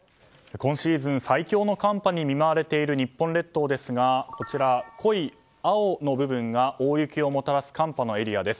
今シーズン最強の寒波に見舞われている日本列島ですが濃い青の部分が大雪をもたらす寒波のエリアです。